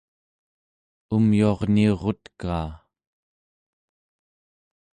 umyuarniurutkaa